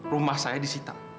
rumah saya disita